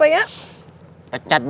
kalau diulangi lagi apa ya